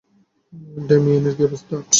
ডেমিয়েনের কী অবস্থা?